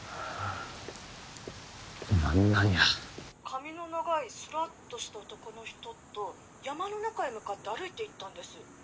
髪の長いすらっとした男の人と山の中へ向かって歩いていったんです。